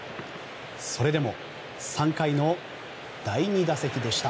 それでも３回の第２打席でした。